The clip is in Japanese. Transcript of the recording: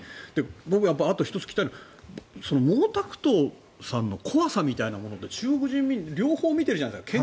僕あと１つ聞きたいのは毛沢東さんの怖さみたいなものって中国人民両方見ているじゃないですか。